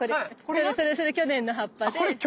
それそれそれ去年の葉っぱで。